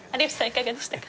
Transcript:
いかがでしたか？